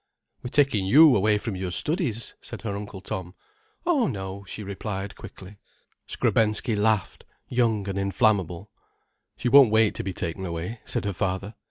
"We're taking you away from your studies," said her Uncle Tom. "Oh, no," she replied quickly. Skrebensky laughed, young and inflammable. "She won't wait to be taken away," said her father.